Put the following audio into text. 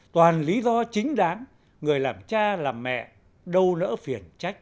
toàn lý do chính đáng người làm cha làm mẹ đâu nỡ phiền trách